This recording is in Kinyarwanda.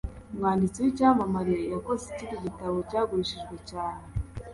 Umwanditsi w'icyamamare yakoze ikindi gitabo cyagurishijwe cyane.